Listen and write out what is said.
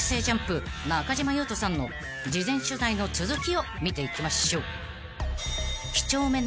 中島裕翔さんの事前取材の続きを見ていきましょう］